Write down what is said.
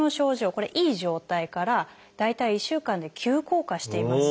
これいい状態から大体１週間で急降下していますね。